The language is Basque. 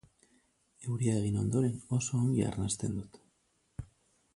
Euria egin ondoren oso ongi arnasten dut.